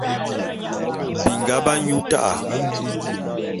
Binga b'anyu ta'a.